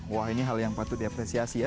wah ini hal yang patut diapresiasi ya